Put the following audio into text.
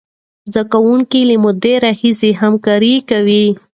زده کوونکي له مودې راهیسې همکاري کوي.